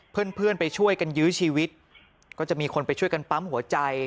เพื่อนไปช่วยกันยื้อชีวิตก็จะมีคนไปช่วยกันปั๊มหัวใจ